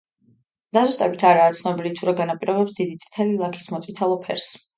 დაზუსტებით არაა ცნობილი თუ რა განაპირობებს დიდი წითელი ლაქის მოწითალო ფერს.